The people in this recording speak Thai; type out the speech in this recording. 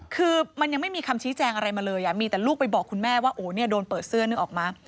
คือมันยังไม่มีคำชี้แจงอะไรมาเลยมีแต่ลูกไปบอกคุณแม่ว่าโอ้เนี่ยโดนเปิดเสื้อนึกออกมา